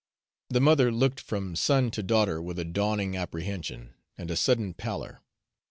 The mother looked from son to daughter with a dawning apprehension and a sudden pallor.